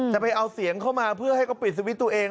ไปเอาเสียงเข้ามาเพื่อให้เขาปิดสวิตช์ตัวเอง